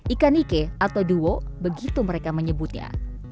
ikan ike atau duwo begitu mereka menyebutnya